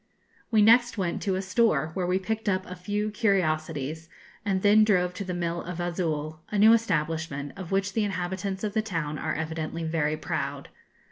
We next went to a store, where we picked up a few curiosities, and then drove to the mill of Azul, a new establishment, of which the inhabitants of the town are evidently very proud.